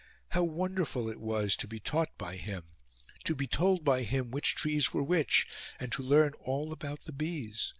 How wonderful it was to be taught by him! To be told by him which trees were which; and to learn all about the bees!